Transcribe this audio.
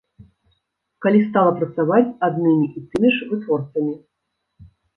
Калі стала працаваць з аднымі і тымі ж вытворцамі.